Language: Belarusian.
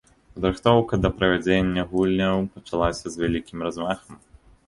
Падрыхтоўка да правядзення гульняў пачалася з вялікім размахам.